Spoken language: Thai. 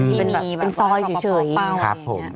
ไม่ได้เป็นแบบหมู่บ้านที่เป็นซอยเฉย